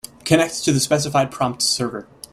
Connect to the specified prompt server.